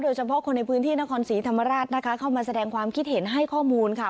เฉพาะคนในพื้นที่นครศรีธรรมราชนะคะเข้ามาแสดงความคิดเห็นให้ข้อมูลค่ะ